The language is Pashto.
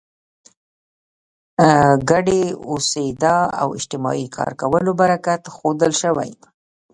ګډې اوسېدا او اجتماعي کار کولو برکت ښودل شوی.